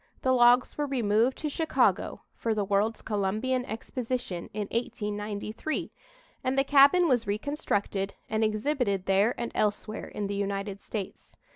The logs were removed to Chicago, for the World's Columbian Exposition, in 1893, and the cabin was reconstructed and exhibited there and elsewhere in the United States.